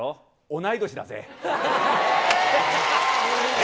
同い年だぜ。